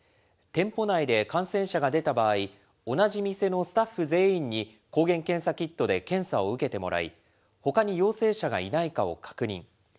店舗内で感染者が出た場合、同じ店のスタッフ全員に抗原検査キットで検査を受けてもらい、ほかに陽性者がいないかを確認。